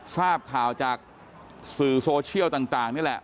ทราบข่าวจากสื่อโซเชียลต่างนี่แหละ